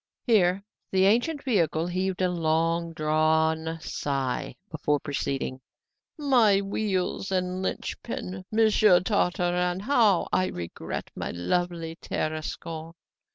Here the ancient vehicle heaved a long drawn sigh before proceeding. "My wheels and linchpin! Monsieur Tartarin, how I regret my lovely Tarascon!